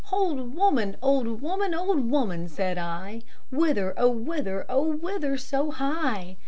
"Old woman, old woman, old woman," said I, "Whither, oh whither, oh whither so high?"